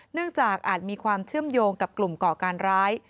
เนื่องจากอาจมีความเชื่อมโยงกับกลุ่มก่อการร้าย